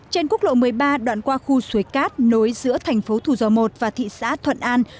trên quốc lộ một mươi ba đoạn qua khu suối cát nối giữa thành phố thủ dầu một và thị xã thuận an